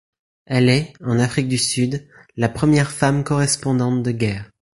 Elle est, en Afrique du Sud, la première femme correspondante de guerre.